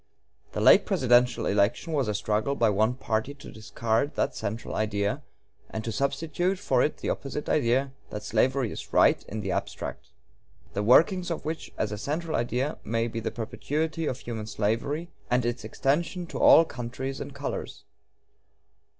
The late presidential election was a struggle by one party to discard that central idea and to substitute for it the opposite idea that slavery is right in the abstract; the workings of which as a central idea may be the perpetuity of human slavery and its extension to all countries and colors....